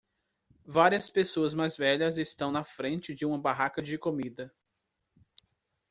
Várias pessoas mais velhas estão na frente de uma barraca de comida.